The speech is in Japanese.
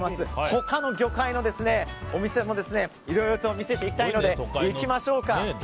他の魚介のお店もいろいろと見せていきたいので行きましょうか。